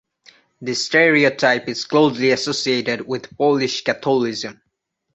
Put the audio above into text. This stereotype is closely associated with Polish Catholicism.